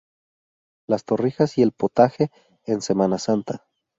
Las torrijas y el potaje en Semana Santa.